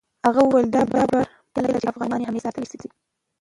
هغه وویل، دا باور باطل دی چې افغانستان همېشه ساتلای شي.